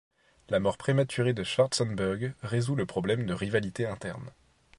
La mort prématurée de Schwartzenberg résout le problème de rivalité interne.